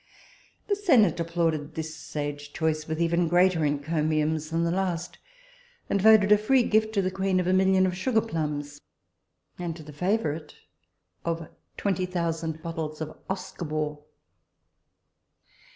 The senate applauded this sage choice with even greater encomiums than the last, and voted a free gift to the queen of a million of sugar plumbs, and to the favourite of twenty thousand bottles of usquebaugh.